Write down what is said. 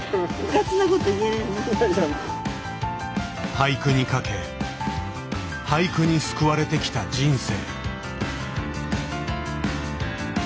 俳句に懸け俳句に救われてきた人生。